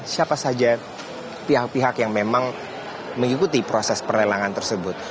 siapa saja pihak pihak yang memang mengikuti proses perlelangan tersebut